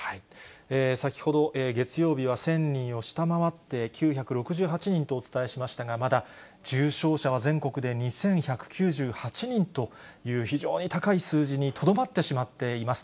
先ほど、月曜日は１０００人を下回って９６８人とお伝えしましたが、まだ重症者は全国で２１９８人と非常に高い数字にとどまってしまっています。